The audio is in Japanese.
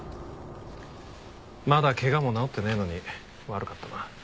まだ怪我も治ってねえのに悪かったな。